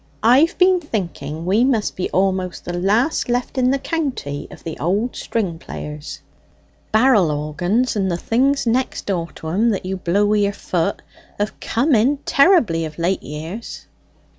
I've been thinking we must be almost the last left in the county of the old string players? Barrel organs, and the things next door to 'em that you blow wi' your foot, have come in terribly of late years."